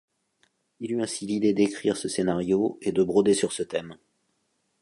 Il eut ainsi l'idée d'écrire ce scénario et de broder sur ce thème.